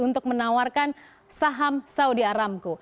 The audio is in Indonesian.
untuk menawarkan saham saudi aramco